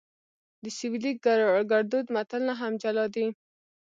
د سویلي ګړدود متلونه هم جلا دي